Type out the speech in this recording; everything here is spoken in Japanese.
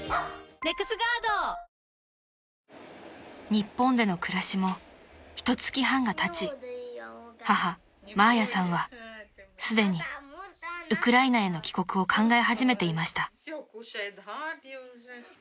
［日本での暮らしもひとつき半がたち母マーヤさんはすでにウクライナへの帰国を考え始めていました］